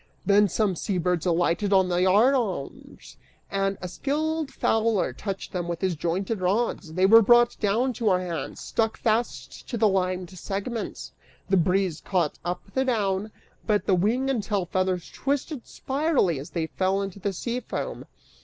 Then some sea birds alighted upon the yard arms and a skillful fowler touched them with his jointed rods: they were brought down to our hands, stuck fast to the limed segments. The breeze caught up the down, but the wing and tail feathers twisted spirally as they fell into the sea foam.